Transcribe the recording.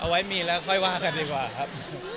ไว้มีแล้วค่อยว่ากันดีกว่าครับ